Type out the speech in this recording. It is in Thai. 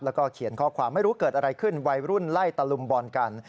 แล้วก็เขียนข้อความไม่รู้เกิดอะไรขึ้นวัยรุ่นไล่ตะลุมบอลกัน